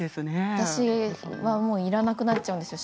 私はいらなくなっちゃうんですよ